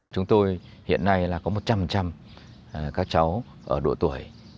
chúng tôi hiện nay là có một trăm các cháu ở độ tuổi